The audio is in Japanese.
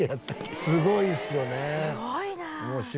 すごいですよね。